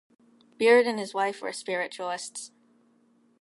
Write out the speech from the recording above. Beard and his wife were spiritualists.